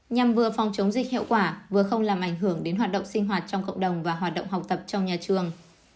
nhằm vừa phòng chống dịch hiệu quả vừa không làm ảnh hưởng đến hoạt động sinh hoạt trong cộng đồng và hoạt động học tập trong nhà trường